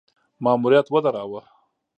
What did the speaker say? ماموریت ودراوه.